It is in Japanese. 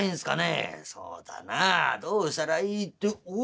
「そうだなどうしたらいいっておっとっと」。